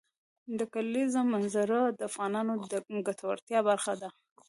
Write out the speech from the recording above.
د کلیزو منظره د افغانانو د ګټورتیا برخه ده.